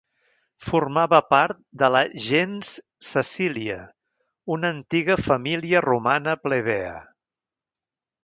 Formava part de la gens Cecília, una antiga família romana plebea.